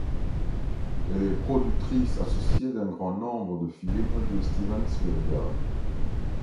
Elle est productrice associée d'un grand nombre de films de Steven Spielberg.